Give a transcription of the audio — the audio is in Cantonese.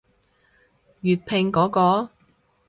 粵拼嗰個？